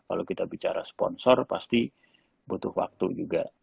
kalau kita bicara sponsor pasti butuh waktu juga